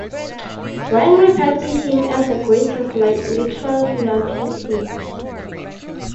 Wang referred to him as the greatest literary figure of his age.